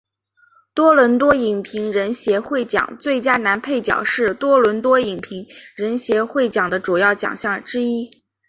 多伦多影评人协会奖最佳男配角是多伦多影评人协会奖的主要奖项之一。